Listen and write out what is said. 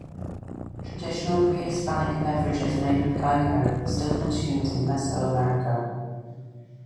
Traditional pre-Hispanic beverages made with cacao are still consumed in Mesoamerica.